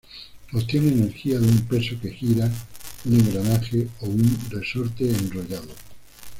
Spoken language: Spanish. Obtiene energía de un peso que gira un engranaje o un resorte enrollado.